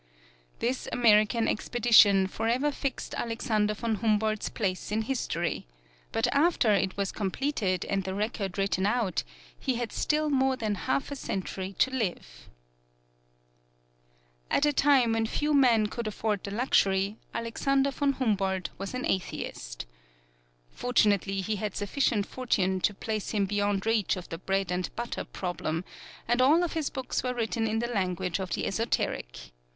This American Expedition forever fixed Alexander von Humboldt's place in history, but after it was completed and the record written out, he had still more than half a century to live. At a time when few men could afford the luxury, Alexander von Humboldt was an atheist. Fortunately he had sufficient fortune to place him beyond reach of the bread and butter problem, and all of his books were written in the language of the esoteric.